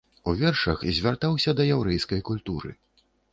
У вершах звяртаўся да яўрэйскай культуры.